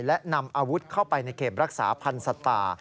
และนำอาวุธเข้าไปในเขตรักษาพันธ์สัตว์ป่า